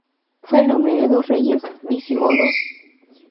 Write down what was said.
Fue el nombre de dos reyes visigodos.